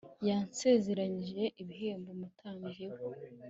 yansezeranije ibihembo umutambyi we